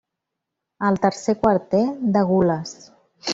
Al tercer quarter, de gules.